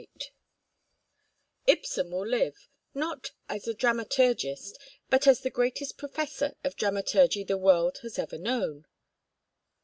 XXXVIII "Ibsen will live, not as a dramaturgist, but as the greatest professor of dramaturgy the world has ever known."